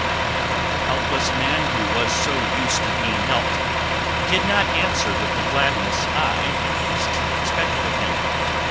But the helpless man who was so used to being helped did not answer with the gladness I, at least, expected of him.